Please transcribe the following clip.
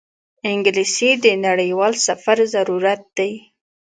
انګلیسي د نړیوال سفر ضرورت دی